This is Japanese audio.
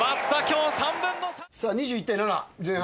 ２１対７前半。